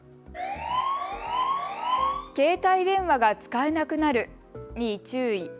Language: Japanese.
携帯電話が使えなくなるに注意。